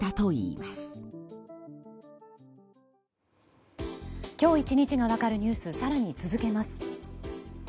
きょう１日が分かるニュース、更に続けます。